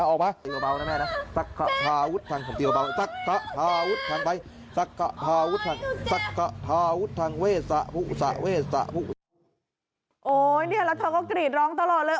โอ้โหแล้วเธอก็กรีดร้องตลอดเลย